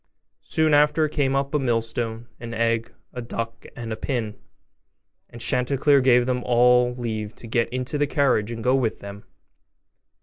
Soon after came up a millstone, an egg, a duck, and a pin; and Chanticleer gave them all leave to get into the carriage and go with them.